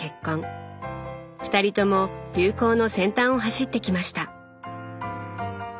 二人とも流行の先端を走ってきました。